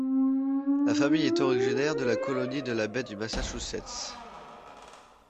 La famille est originaire de la colonie de la baie du Massachusetts.